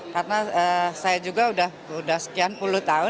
karena saya juga sudah sekian puluh tahun